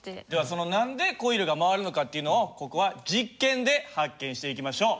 その何でコイルが回るのかっていうのをここは実験で発見していきましょう。